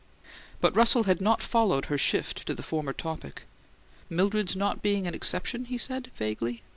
But Russell had not followed her shift to the former topic. "'Mildred's not being an exception?'" he said, vaguely.